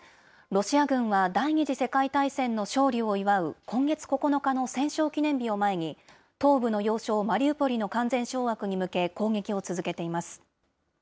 ロシア軍は第２次世界大戦の勝利を祝う今月９日の戦勝記念日を前に、東部の要衝マリウポリの完全掌握に向けて攻撃を続けています。